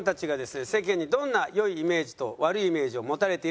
世間にどんな良いイメージと悪いイメージを持たれているのか